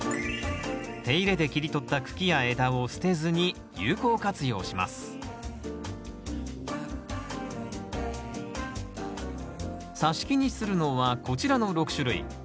手入れで切り取った茎や枝を捨てずに有効活用しますさし木にするのはこちらの６種類。